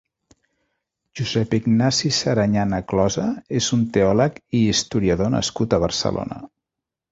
Josep-Ignasi Saranyana Closa és un teòleg i historiador nascut a Barcelona.